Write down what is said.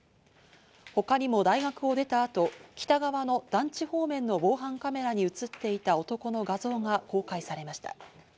他にも大学を出たあと北側の団地方面の防犯カメラに映っていた男の画像が公開されました。